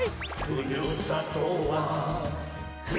「ふるさとは」